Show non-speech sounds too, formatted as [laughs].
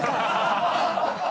ハハハ [laughs]